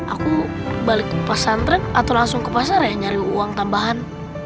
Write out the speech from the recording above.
aku balik ke pesantren atau langsung ke pasar ya nyari uang tambahan